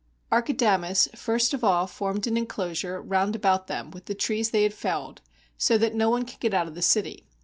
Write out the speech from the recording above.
] Archidamus first of all formed an inclosure round about them with the trees they had felled, so that no one could get out of the city.